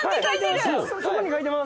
そこに書いてます。